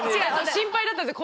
心配だったんです。